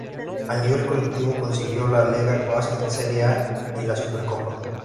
A nivel colectivo, consiguió la Lega Basket Serie A y la Supercopa.